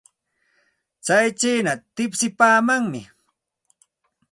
Tsay chiina tipsipaamanmi.